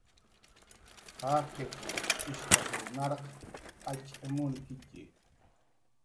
Jaqiq ishkasw narq acx' munkitxi